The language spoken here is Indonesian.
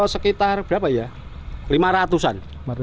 sekitar berapa ya lima ratus an